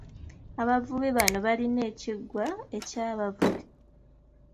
Abavubi nabo balina ekiggwa eky'abavubi.